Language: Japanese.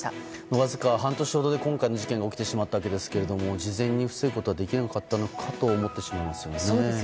わずか半年ほどで今回の事件が起きてしまったわけですけど事前に防ぐことはできなかったのかと思ってしまいますよね。